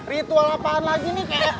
ritual apaan lagi nih